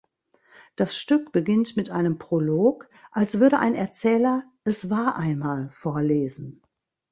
Das Stück beginnt mit einem Prolog, als würde ein Erzähler „Es war einmal“ vorlesen.